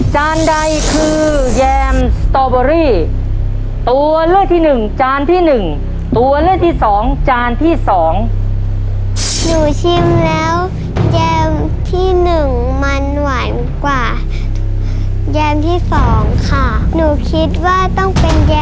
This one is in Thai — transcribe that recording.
จานใดคือแยมสตอเบอรี่ตัวเลือกที่หนึ่งจานที่หนึ่งตัวเลือกที่สองจานที่สอง